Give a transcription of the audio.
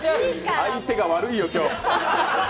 相手が悪いよ、今日。